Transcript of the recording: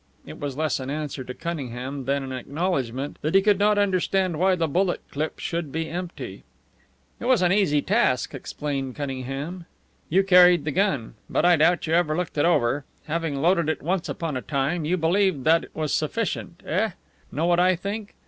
It was less an answer to Cunningham than an acknowledgment that he could not understand why the bullet clip should be empty. "It was an easy risk," explained Cunningham. "You carried the gun, but I doubt you ever looked it over. Having loaded it once upon a time, you believed that was sufficient, eh? Know what I think?